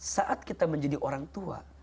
saat kita menjadi orang tua